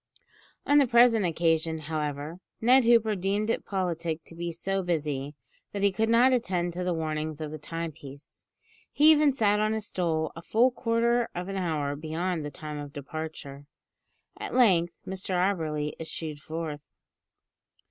On the present occasion, however, Ned Hooper deemed it politic to be so busy, that he could not attend to the warnings of the timepiece. He even sat on his stool a full quarter of an hour beyond the time of departure. At length, Mr Auberly issued forth.